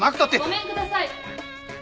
・ごめんください。